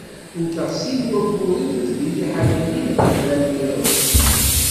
Wwteɣ sin n wayyuren nekk deg liḥala-nni n lqella n yiḍes.